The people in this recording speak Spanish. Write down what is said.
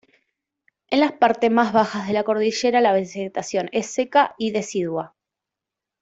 En las partes más bajas de la cordillera la vegetación es seca y decidua.